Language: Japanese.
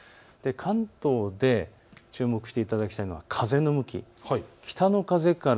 関東で注目していただきたいのは風の向きです。